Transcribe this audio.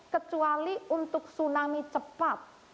kecuali untuk tsunami cepat